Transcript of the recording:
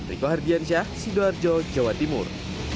riko hardiansyah sidoarjo jawa timur